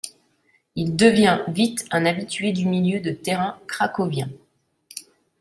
Il devient vite un habitué du milieu de terrain cracovien.